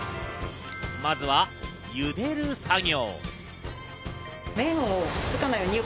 まずは茹でる作業。